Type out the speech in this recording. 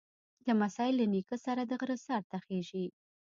لمسی له نیکه سره د غره سر ته خېږي.